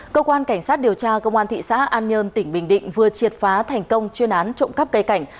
cơ quan cảnh sát điều tra công an thị xã an nhơn tỉnh bình định vừa triệt phá thành công chuyên án trộm cắp cây cảnh